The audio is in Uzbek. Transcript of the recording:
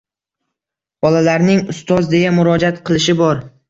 Bolalarning “ustoz”, deya murojaat qilishi bor.